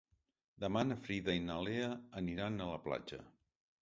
Demà na Frida i na Lea aniran a la platja.